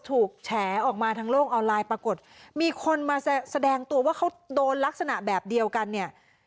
แฉออกมาทางโลกออนไลน์ปรากฏมีคนมาแสดงตัวว่าเขาโดนลักษณะแบบเดียวกันเนี่ย